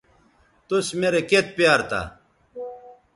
توس میرے کیئت پیار تھا